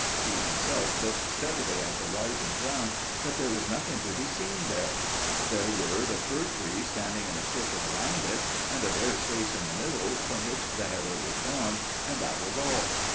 He himself looked steadily at the rising ground, but there was nothing to be seen there: there were the fir trees standing in a circle round it, and a bare space in the middle, from which the heather was gone, and that was all.